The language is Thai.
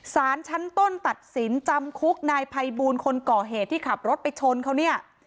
สารชั้นต้นตัดสินจำคุกนายภัยบูลคนก่อเหตุที่ขับรถไปชนเขาเนี่ย